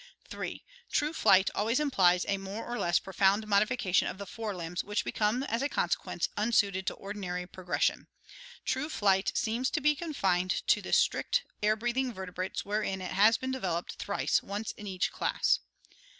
3. True flight always implies a more or less profound modifica tion of the fore limbs, which become, as a consequence, unsuited VOLANT ADAPTATION 367 to ordinary progression. True flight seems to be confined to the strictly air breathing vertebrates wherein it has been developed thrice, once in each class.